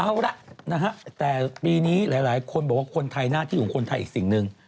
เอาละนะฮะแต่ปีนี้หลายคนบอกว่าคนไทยหน้าที่ของคนไทยอีกสิ่งหนึ่ง